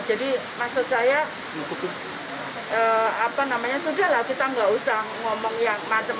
jadi maksud saya sudah lah kita nggak usah ngomong yang macam macam